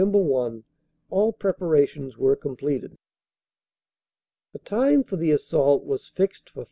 1 all preparations were completed. "The time for the assault was fixed for 5.